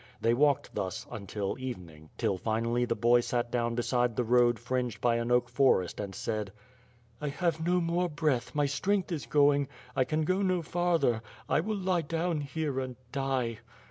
They walked thus until even ing, till finally the boy sat down beside the road fringed by an oak forest and said: "I have no more breath; my strength is going; I can go no farther. I will lie down here and die."